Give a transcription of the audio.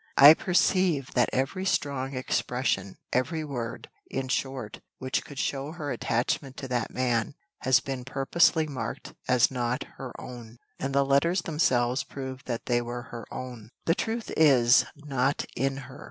I perceive that every strong expression, every word, in short, which could show her attachment to that man, has been purposely marked as not her own, and the letters themselves prove that they were her own. The truth is not in her."